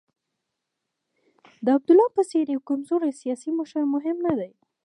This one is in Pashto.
د عبدالله په څېر یو کمزوری سیاسي مشر مهم نه دی.